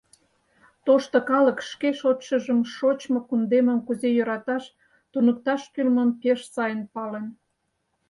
Тошто калык шке шочшыжым шочмо кундемым кузе йӧраташ туныкташ кӱлмым пеш сайын пален.